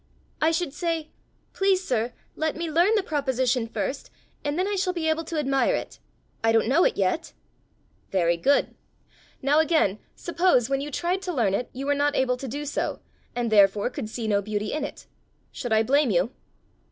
"I should say, 'Please, sir, let me learn the proposition first, and then I shall be able to admire it. I don't know it yet!'" "Very good! Now again, suppose, when you tried to learn it, you were not able to do so, and therefore could see no beauty in it should I blame you?"